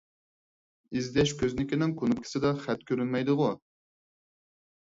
ئىزدەش كۆزنىكىنىڭ كۇنۇپكىسىدا خەت كۆرۈنمەيدىغۇ؟